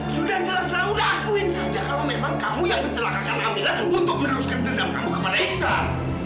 sudah jelas jelas udah akuin saja kalau memang kamu yang menjelakakan amirah untuk meneruskan gendam kamu kepada iksan